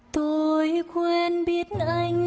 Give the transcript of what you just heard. tôi quên biết anh